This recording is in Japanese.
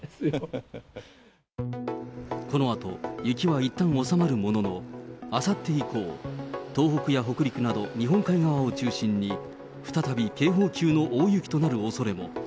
このあと、雪はいったん収まるものの、あさって以降、東北や北陸など日本海側を中心に再び警報級の大雪となるおそれも。